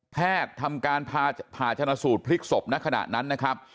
แพทย์ทำการพาพาชนะสูตรพลิกศพนะขนาดนั้นนะครับ